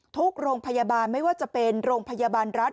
ทุกโรงพยาบาลไม่ว่าจะเป็นโรงพยาบาลรัฐ